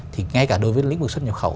thì ngay cả đối với lĩnh vực xuất nhập khẩu